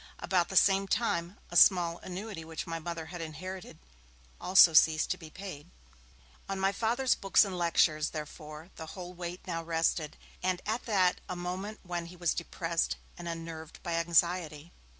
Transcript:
About the same time, a small annuity which my Mother had inherited also ceased to be paid. On my Father's books and lectures, therefore, the whole weight now rested, and that at a moment when he was depressed and unnerved by anxiety.